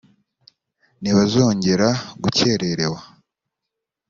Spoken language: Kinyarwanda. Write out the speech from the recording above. ntibazongera gukererewa.